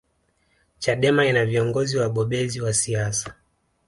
chadema ina viongozi wabobezi wa siasa